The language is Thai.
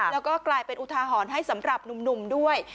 แล้วก็กลายเป็นอุทาหรณ์ให้สำหรับหนุ่มด้วย